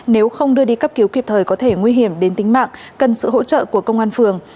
nếu không đưa đi cấp cứu kịp thời có thể nguy hiểm đến tính mạng cần sự hỗ trợ của công an phường